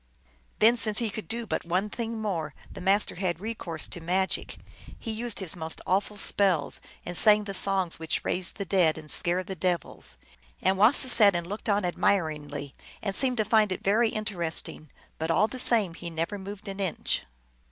Then, since he could do but one thing more, the Master had recourse to magic. He used his most awful spells, and sang the songs which raise the dead and scare the devils. And Wasis sat and looked on admiringly, and seemed to find it very interesting, but all the same he never moved an inch.